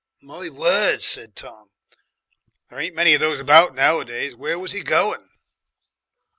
"My word!" said Tom, "there ain't many of those about nowadays. Where was he going?"